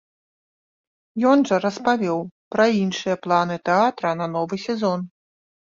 Ён жа распавёў пра іншыя планы тэатра на новы сезон.